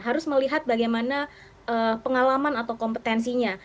harus melihat bagaimana pengalaman atau kompetensinya